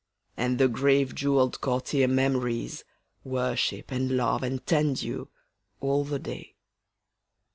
And the grave jewelled courtier Memories Worship and love and tend you, all the day.